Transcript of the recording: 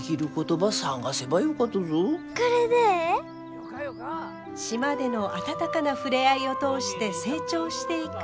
島での温かな触れ合いを通して成長していく舞。